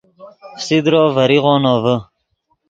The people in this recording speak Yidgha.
فسیدرو ڤریغو نوڤے